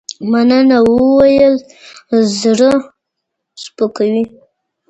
مننه ويل زړه سپکوي